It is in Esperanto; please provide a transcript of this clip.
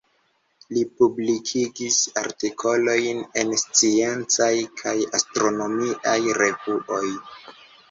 Li publikigis artikolojn en sciencaj kaj astronomiaj revuoj.